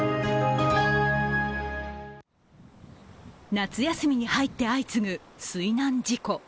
夏休みに入って相次ぐ水難事故。